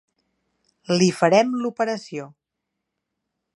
Li farem l'operació.